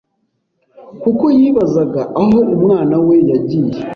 kuko yibazaga aho umwana we yagiye